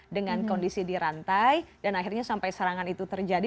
dengan kondisi dirantai dan akhirnya sampai serangan itu terjadi